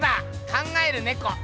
「考えるねこ」。